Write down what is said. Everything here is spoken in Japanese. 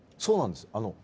そうなんです。